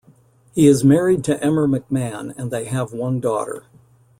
He is married to Emer McMahon and they have one daughter.